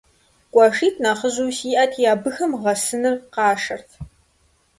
КъуэшитӀ нэхъыжьу сиӀэти, абыхэм гъэсыныр къашэрт.